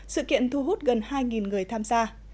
sự kiện thu hút gần hai người tham gia